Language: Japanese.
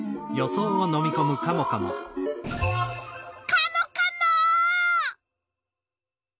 カモカモッ！